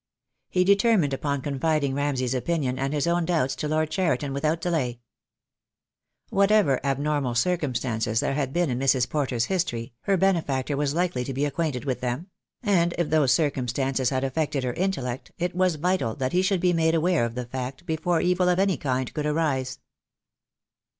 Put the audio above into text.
He determined upon confiding Ramsay's opinion and his own doubts to Lord Cheriton without delay. Whatever abnormal circumstances there had been in Mrs. Porter's history, her benefactor was likely to be acquainted with them; and if those circumstances had affected her intellect it was vital that he should be made aware of the fact before evil of any kind could arise.